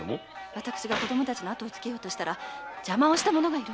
私が子供達の後をつけようとしたら邪魔をした者がいます。